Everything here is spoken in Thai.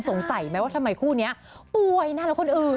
สงสัยไหมว่าทำไมคู่นี้ป่วยนานแล้วคนอื่น